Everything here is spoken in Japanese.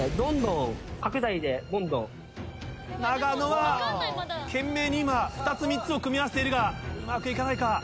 長野は懸命に今２つ３つを組み合わせているがうまく行かないか？